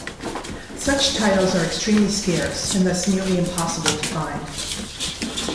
Such titles are extremely scarce and thus nearly impossible to find.